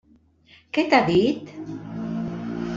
Què t'ha dit?